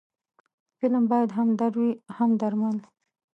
فلم باید هم درد وي، هم درمل